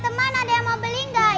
teman ada yang mau beli nggak